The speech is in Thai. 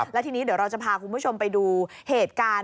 แล้วทีนี้เดี๋ยวเราจะพาคุณผู้ชมไปดูเหตุการณ์